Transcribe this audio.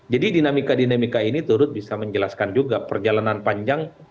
jadi dinamika dinamika ini turut bisa menjelaskan juga perjalanan panjang